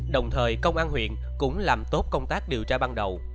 đồng thời công an huyện cũng làm tốt công tác điều tra ban đầu